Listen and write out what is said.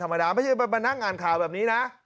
ไม่ใช่มานั่งอ่านข่าวแบบนี้นะ